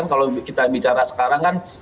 kalau kita bicara sekarang kan